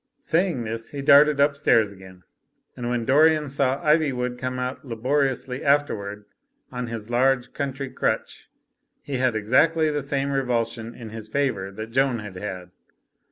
*' Saying this, he darted upstairs again, and when Dorian saw Ivywood come out laboriously, afterward, on his large country crutch, he had exactly the same revulsion in his favour that Joan had had.